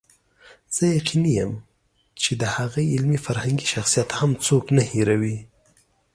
زه یقیني یم چې د هغه علمي فرهنګي شخصیت هم څوک نه هېروي.